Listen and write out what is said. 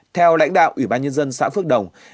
theo lãnh đạo ủy ban nhân dân xã phước đồng